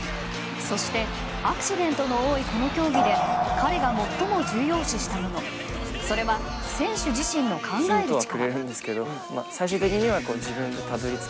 そしてアクシデントの多いこの競技で彼が最も重要視したものそれは選手自身の考える力。